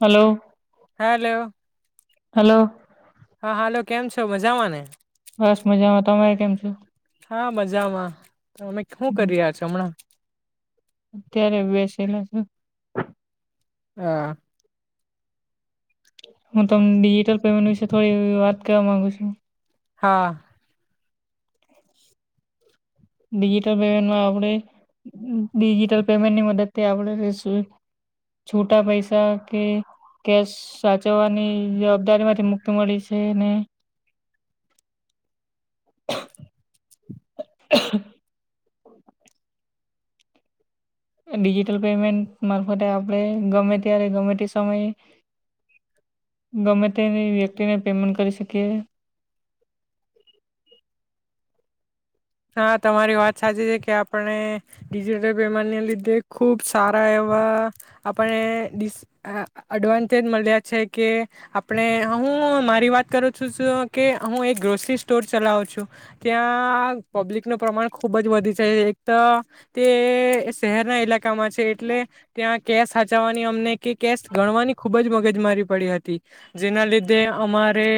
Hello. Hello hello હા hello. કેમ છો મજામાંને? બસ મજામાં. તમે કેમ છો? હા, મજામાં. તમે હું હમ. કરી રહ્યા છો હમણાં? અત્યારે બેસેલા છે હા. હું તમ ડિજિટલ પેમેન્ટ વિશે થોડી વાત કરવા માંગુ છું. હા. ડિજિટલ પેમેન્ટમાં આપણે ડિજિટલ પેમેન્ટની મદદથી આપણે એ શું છૂટા પૈસા કે કેશ સાચવવાની જવાબદારી માંથી મુક્તિ મળી છે ને [inaudible] ડિજિટલ પેમેન્ટ મારફતે આપણે ગમે ત્યારે ગમે તે સમય ગમે તે વ્યક્તિને પેમેન્ટ કરી શકીએ. હા, તમારી વાત સાચી છે કે આપણે ડિજિટલ પેમેન્ટને લીધે ખૂબ સારા એવા આપણને ડિસ આ-અડવાન્ટેજ મળ્યા છે કે આપણે હું મારી વાત કરું છું કે હું એક ગ્રોસરી સ્ટોર ચલાવું છું. ત્યાં પબ્લિકનું પ્રમાણ ખૂબ જ વધી છે. એક તો તે શહેરના ઇલાકામાં છે એટલે ત્યાં કેશ હાચાવવાની અમને કે કેશ ગણવાની ખૂબજ મગજ મારી પડી હતી. જેના લીધે અમારે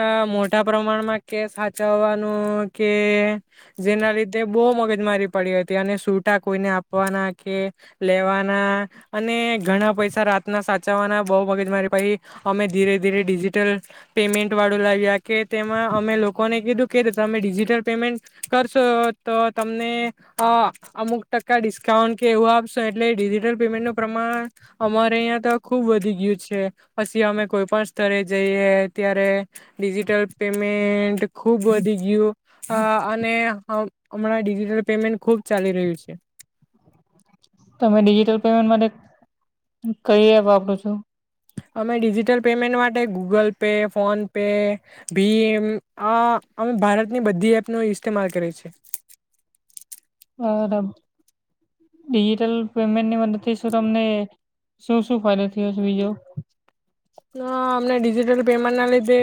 અહ મોટા પ્રમાણમાં કેશ હાચાવવાનો કેએ જેના લીધે બહુ મગજમારી પડી હતી અને સુટા કોઈને આપવાના કે લેવાના અને ઘણા પૈસા રાતના સાચવવાના બહુ મગજ મારી પહિ અમે ધીરે-ધીરે ડિજિટલ પેમેન્ટ વાળું લાવ્યા કે તેમાં અમે લોકોને કીધું કે તમે ડિજિટલ પેમેન્ટ કરશો તો તમને અહ અમુક ટકા ડિસ્કાઉન્ટ કે એવું આપશો એટલે ડિજિટલ પેમેન્ટનું પ્રમાણ અમારે યા તો ખુબ વધી ગયું છે. પછી અમે કોઈ પણ સ્તરે જઈએ ત્યારે ડિજિટલ પેમેન્ટ ખૂબ વધી ગયું અહ અને હમ-હમણાં ડિજિટલ પેમેન્ટ ખુબ ચાલી રહ્યું છે. તમે ડિજિટલ પેમેન્ટ માટે કઈ એપ વાપરો છો? અમે ડિજિટલ પેમેન્ટ માટે ગૂગલ પે ફોન પે ભીએમ આ અમે ભારતની બધી એપનો ઇસ્તેમાલ કરીએ છે. ડિજિટલ પેમેન્ટની મદદથી શું તમને શું શું ફાયદો થયો છે બીજો અમને ડિજિટલ પેમેન્ટ ના લીધે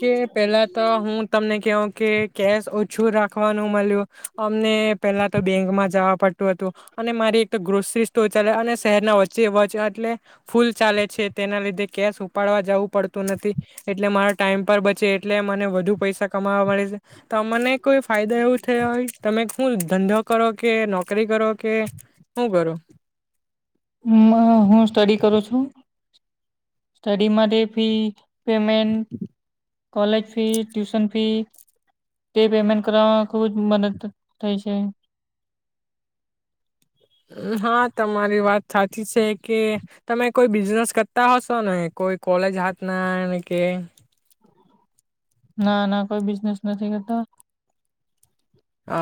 કે પેલા તો હું તમને કહ કે કેશ ઓછું રાખવાનું મળ્યું અમને પહેલા તો બેંકમાં જવા પડતું હતું અને મારી એક તો ગ્રોસરી સ્ટોર ચાલે અને શહેરના વચ્ચે વચ એટલે ફૂલ ચાલે છે તેના લીધે કેશ ઉપાડવા જવું પડતું નથી એટલે મારા ટાઈમ પર બચે એટલે મને વધુ પૈસા કમાવા મળે છે તો મને કોઈ ફાયદા એવું થયા હોય તમે શું ધંધો કરો કે નોકરી કરો કે શું કરો? હું સ્ટડી કરું છું સ્ટડી માટે fee payment college fee tuition fee તે પેમેન્ટ કરવામાં ખુબ જ મદદ થઈ છે. ઉમ, હા તમારી વાત સાચી છે કે તમે કોઈ બિઝનેસ કરતા હશો ને કોઈ કોલેજ હાથ ના કે ના ના કોઈ બિઝનેસ નથી કરતા. હ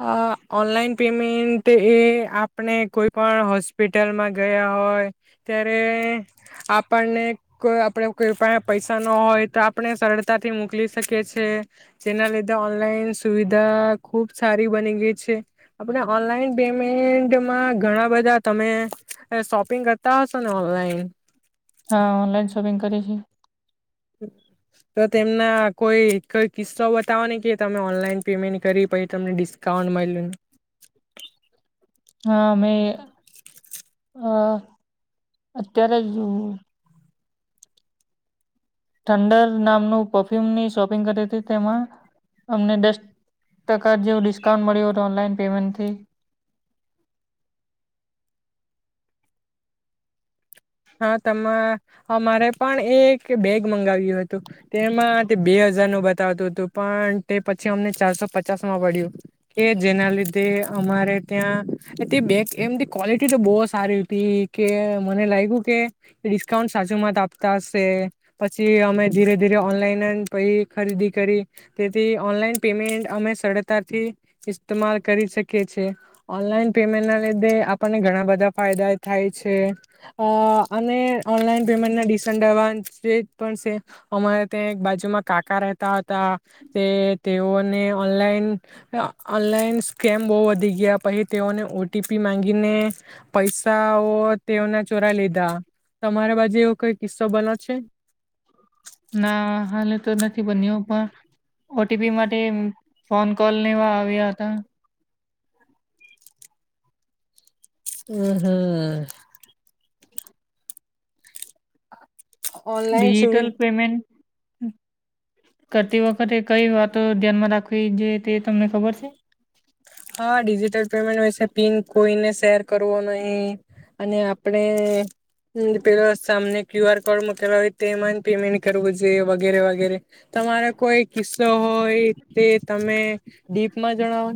હા ઓનલાઈન પેમેન્ટ એ આપણે કોઈ પણ હોસ્પિટલમાં ગયા હોય. ત્યારે આપણને કોઈ આપડ કોઈપાસે પૈસા ના હોય ઓનલાઈન સુવિધા ખુબ સારી બની ગઈ છે આપણે ઓનલાઈન પેમેન્ટમાં ઘણા બધા તમે શોપિંગ કરતા હશો ને ઓનલાઈન. હા ઓનલાઈન શોપિંગ કરે છે. તો તેમના કોઈ કઈ કિસ્સો બતાવો ને કે તમે ઓનલાઈન પેમેન્ટ કરી પછી તમને ડિસ્કાઉન્ટ મળલ્યુંને. હા મે અ અત્યારે જ. ઠંડર નામનું પરફ્યુમની શોપિંગ કરી હતી તેમાં અમને દસ ટકા જેવું ડિસ્કાઉન્ટ મળ્યું હતું ઓનલાઈન પેમેન્ટથી. હા તમ. અમારે પણ એક. કે બેગ મંગાવ્યું હતું તેમાં તે બે હ બે હજાર નું બતાવતું હતું પણ તે પછી અમને ચારસો પચાસ માં પડ્યું કે જેના લીધે અમારે ત્યાં તે બેગ એમ ક્વોલિટી તો બહુ સારી હતી કે મને લાગ્યું. કે ડિસ્કાઉન્ટ સાચું મત આપતા હશે પછી અમે ધીરે ધીરે ઓનલાઈન પ ખરીદી કરી તેથી ઓનલાઈન પેમેન્ટ અમે સરળતાથી ઇસ્માલ કરી શકીએ છેએ ઓનલાઈન પેમેન્ટ ના લીધે આપણને ઘણા બધા ફાયદા થાય છે. અને ઓનલાઈન પેમેન્ટના ડિસડવા જે પણ છે અમારા ત્યાં એક બાજુમાં કાકા રહેતા હતા તે તેઓને ઓનલાઈન ઓનલાઈન સ્કેમ બહુ વધી ગયા પછી તેઓને ઓટીપી ગીને પૈસાઓ તેઓના. ચોરા લીધા તમારા બાજુ એવો કઈ કિસ્સો બનો છે. ના હાલે તો નથી બન્યું પણ ઓટીપી માટે ફોન કોલ લેવા આવ્યા હતા. હ હમ્મ ઓનલાઈન સુવિ ડિજિટલ પેમેન્ટ. કરતી વખતે કઈ વાતો ધ્યાનમાં રાખવી જોઈએ તે તમને ખબર છે. હા ડિજિટલ પેમેન્ટ હોશે પિન કોઈને શેર કરવો નહી અને આપણે પેલો સામને ક્યુઆર કોડ મોકલ હોય તેમાં પેમેન્ટ કરવું જોએ વગેરે વગેરે તમારો કોઈ કિસ્સો હોય તે તમે ડીપમાં જણાવો.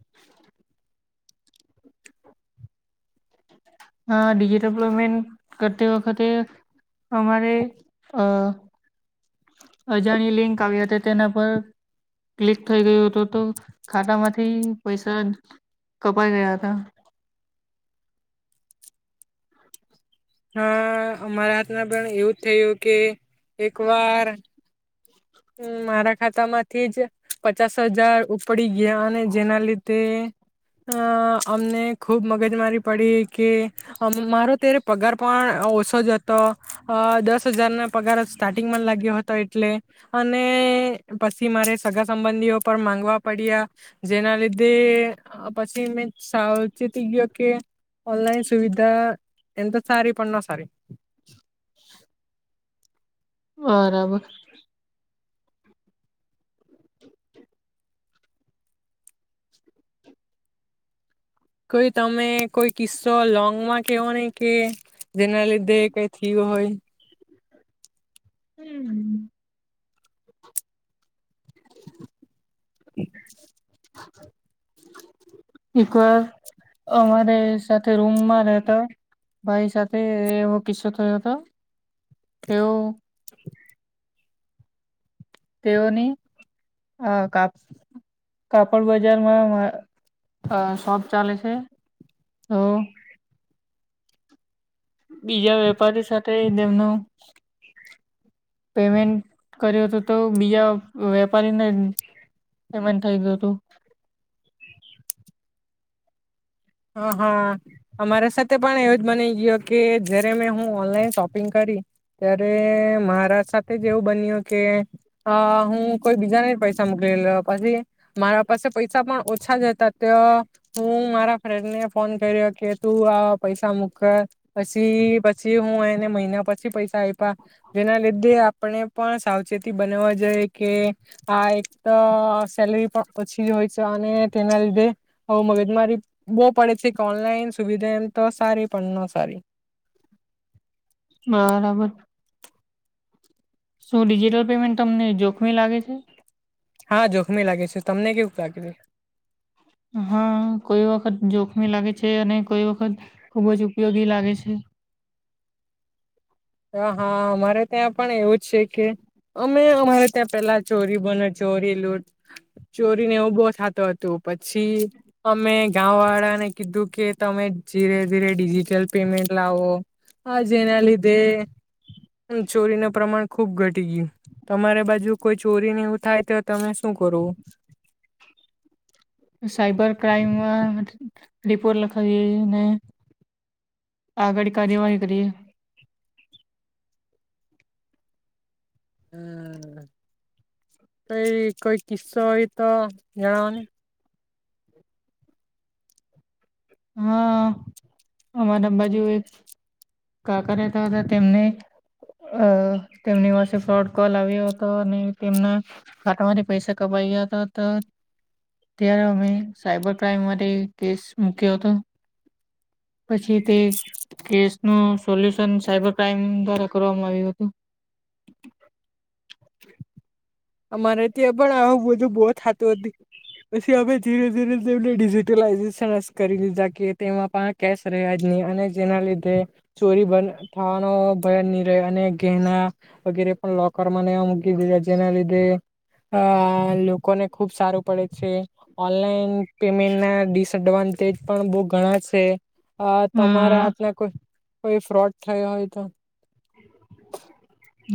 [inaudible] હા ડિજિટલ પેમેન્ટ કરતી વખતે અમારે અ. અજાણી લિંક આવી હતી તેના પર ક્લિક થઈ ગયું હતું તો ખાતામાંથી પૈસા કપાઈ ગયા હતા. હા અમારા હાથમાં પણ એવું જ થયું કે એક વાર મારા ખાતામાંથી જ પચાસ હજાર ઉપડી ગયા અને જેના લીધે અ અમને ખુબ મગજમારી પડી કે મારો ત્યારે પગાર પણ ઓછો જ હતો દસ હજાર ના પગાર સ્ટાર્ટિંગમાં લાગ્યો હતો એટલે અને પછી મારે સગા સંબંધીઓ પર માંગવા પડ્યા જેના લીધે પછી મેં સાવચીતી ગયો કે ઓનલાઈન સુવિધા એ તો સારી પના સારી [inaudible] બરાબર. [inaudible] કોઈ તમે કોઈ કિસ્સો લોંગ માં કેહોને કે જેના લીધે કઈ થય હોય. હમ. એક વાર અમારે સાથે રૂમમાં રહેતા ભાઈ સાથે એવો કિસ્સો થયો હતો તેઓ તેઓની કાપ કાપડ બજારમાં શોપ ચાલે છે તો બીજા વેપારી સાથે તેમનું પેમેન્ટ કર્યું હતું તો બીજા વેપારીને પેમેન્ટ થઈ ગયું હતું. હ હા મારા સાથે પણ એવું જ બની ગયો કે જયારે મેં હું ઓનલાઈન શોપિંગ કરી ત્યારે મારા સાથે જ એવું બન્યું કે હું કોઈ બીજાને જ પૈસા મોકલી પછી મારા પાસે પૈસા પણ ઓછા જ હતા તો હું મારા ફ્રેન્ડને ફોન કર્યો કે તું આ પૈસા મુૂક પછી પછી હું એને મહિના પછી પૈસા આવ આપ જેના લીધે આપણે પણ સાવચેતી બનાવવા જોઈએ કે આ એક તો સેલરી પણ ઓછી જ હોય છે અને તેના લીધે હું મગજમાંરી બહુ પડે છે કે ઓનલાઈન સુવિધા એમ તો સારી પણ ન સારી. બરાબર. શું ડિજિટલ પેમેન્ટ તમને જોખમી લાગે છે? હા જોખમી લાગે છે તમને કેવુંકે લાગ્યું? હા કોઈ વખત જોખમી લાગે છે, અને કોઈ વખત ખુબ જ ઉપયોગી લાગે છે. હા અમારે ત્યાં પણ એવું જ છે કે અમે અમારે ત્યાં પેલા ચોરી બને ચોરી લુંટ ચોરી ને એવું બો થતો. તો પછી અમે ગાવ વાળાને કીધું કે તમે ધીરે ધીરે ડિજિટલ પેમેન્ટ લાવો આ જેના લીધે તે ચોરી ન પ્રમાણ ખુબ ઘટી ગયું તમારી બાજુ કોઈ ચોરી ને એવુ થાય તો તમે શું કરો? સાયબર ક્રાઈમમાં રિપોર્ટ લખાવીને આગળ કાર્યવાહી કરીએ. હમ કઈ કોઈ કસ હોય [unintelligible] જણાવ ન હા અમારા બાજુ એક કાકા રહેતા હતા તેમને અ તેમની પાસે ફ્રોડ કોલ આવ્યો હતો અને તેમના ખાતામાંથી પૈસા કપાવ્યા હતા હતા ત્યારે અમે સાયબર ક્રાઈમ માટે કેસ હતો પછી તે કેસ ન સોલ્યુશન સાયબર ક્રાઈમ દ્વારા કરવામાં આવ્યું હતું. અમારે ત્યાં પણ આવું બધું બહ થતું હત પછી અ ધીરે ધીરેને ડિજટલાઈઝેશન કરી દીધા કે તેમાં પણ કેશ રહ્યા જ નહી અને જેના લીધે ચોરી થવાનો ભય નહી રહે અને ઘેના વગેરે પણ લોકરમાં મૂકી દીધા જેના લીધે અ લોકોને ખુબ સારું પડે છે ઓનલાઈન પેમેન્ટ ના દિસ એડવાન્ટેજ પણ બહ ઘણા છે. હ અ તમારા હાથમાં કોઈ કોઈ ફ્રોડ થયો હોય તો.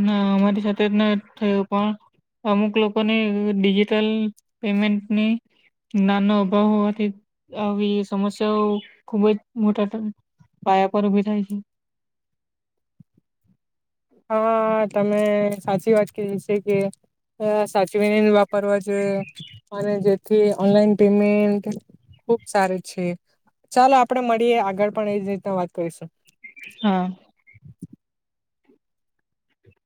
ના અમારી સાથે જ ન થયું પણ અમુક લોકોને ડિજિટલ પેમેન્ટની નાનો અભાવ હોવાથી આવી સમસ્યાઓ ખુબ જ મોટા પાયા પર ઉભી થાય છે. હા તમે સાચી વાત કીધી છે કે સાચીવીને વાપરવા જોઈએ અને જેથી ઓનલાઈન પેમેન્ટ ખુબ સારી છે ચાલો આપણેે મળીએ આગળ પણ એજ રીતના વાત કરીશું. હા.